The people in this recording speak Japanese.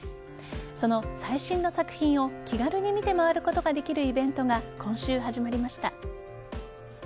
その最新の作品を気軽に見て回ることができるイベントか今週始まりました。